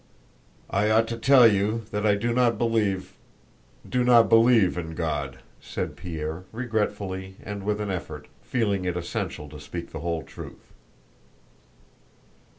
"I ought to tell you that I do not believe... do not believe in God," said Pierre, regretfully and with an effort, feeling it essential to speak the whole truth.